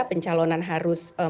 pencalonan harus mengumpulkan